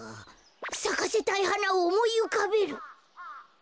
さかせたいはなをおもいうかべる！